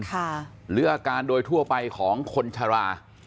หรืออาการโดยทั่วไปของคนชรา